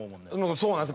そうなんです。